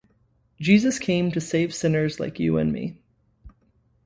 Jesus came to save sinners like you and me.